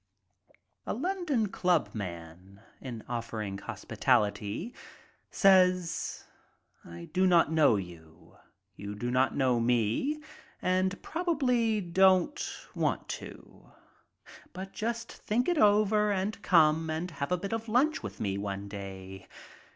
W." A London clubman, in offering hospitality, says: "I do not know you. You do not know me, and probably don't want to. But just think it over and come and have a bit of lunch with, me one day.